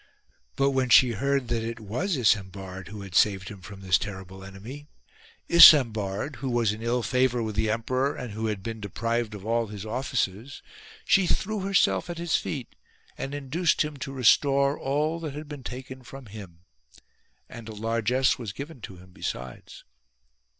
But when she heard that it was Isambard, who had saved him from this terrible enemy, Isambard, who was in ill favour with the emperor and who had been deprived of all his offices — she threw herself at his feet and induced him to restore all that had been taken from him ; and a largess was given to him besides.